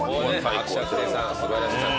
伯爵邸さん素晴らしかった。